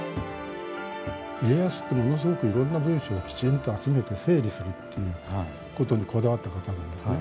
家康ってものすごくいろんな文書をきちんと集めて整理するっていうことにこだわった方なんですね。